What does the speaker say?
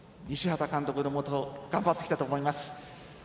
西畑監督のもと頑張ってきたと思います。